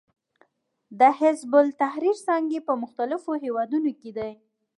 د حزب التحریر څانګې په مختلفو هېوادونو کې دي.